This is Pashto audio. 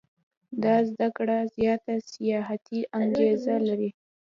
دا زده کړه زیاته سیاحتي انګېزه لري.